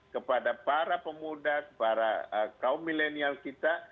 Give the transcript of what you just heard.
kepada para pemuda kepada kaum milenial kita